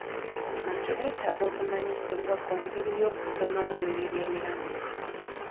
Abantu beetaaga okumanyisibwa ku ngeri y'okukuumamu emibiri emiramu.